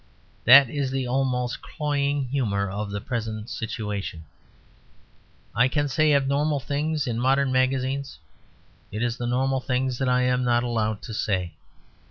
That is the almost cloying humour of the present situation. I can say abnormal things in modern magazines. It is the normal things that I am not allowed to say.